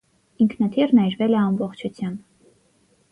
Ինքնաթիռն այրվել է ամբողջությամբ։